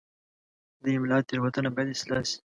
د املا تېروتنه باید اصلاح شي.